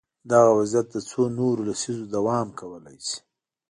دغه وضعیت د څو نورو لسیزو دوام کولای شي.